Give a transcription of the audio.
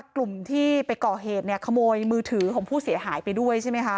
กลุ่มที่ไปก่อเหตุเนี่ยขโมยมือถือของผู้เสียหายไปด้วยใช่ไหมคะ